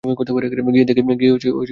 গিয়ে দেখে আসুন।